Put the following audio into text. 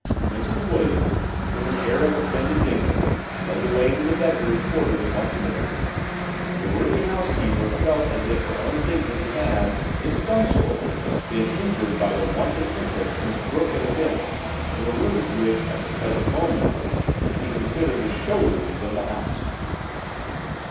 Mrs. Williams, with an air of offended dignity, led the way to the bedroom quarters once more. The worthy housekeeper felt as if her own dignity had, in some sort, been injured by the want of interest Miss Brooke had evinced in the rooms which, at the present moment, she considered the "show" rooms of the house.